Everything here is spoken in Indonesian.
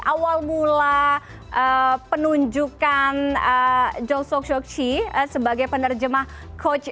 awal mula penunjukkan chong sok so si sebagai penerjemah coach in